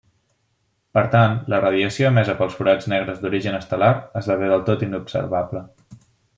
Per tant, la radiació emesa pels forats negres d'origen estel·lar esdevé del tot inobservable.